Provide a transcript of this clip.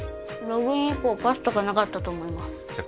ログイン以降パスとかなかったと思いますじゃ